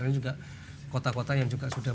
ini juga kota kota yang juga sudah